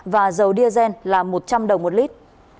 và dầu diazen là một trăm linh đồng một lit